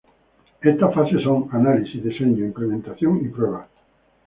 Estas fases son: análisis, diseño, implementación y pruebas.